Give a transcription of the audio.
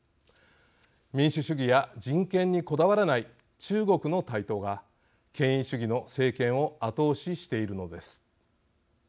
民主主義や人権にこだわらない中国の台頭が権威主義の政権を後押ししているのです。